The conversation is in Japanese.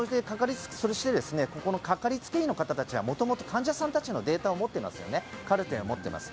このかかりつけ医の方は元々患者さんたちのデータを持っていますカルテを持っています。